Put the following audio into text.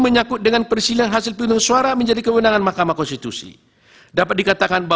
kalau begitu saya ambil langsung saja kepada eksepsi yang